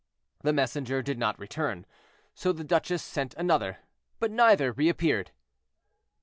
The messenger did not return, so the duchess sent another, but neither reappeared.